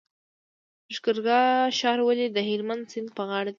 لښکرګاه ښار ولې د هلمند سیند په غاړه دی؟